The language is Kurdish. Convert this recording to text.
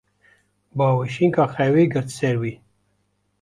Bawşînka xewê girt ser wî.